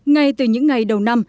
ngay từ những ngày đầu năm